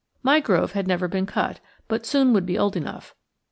My grove had never been cut, but would soon be old enough.